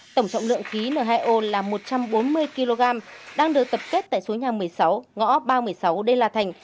tổng trọng lượng khí n hai o là một trăm bốn mươi kg đang được tập kết tại số nhà một mươi sáu ngõ ba trăm một mươi sáu đê la thành